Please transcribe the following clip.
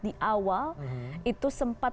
di awal itu sempat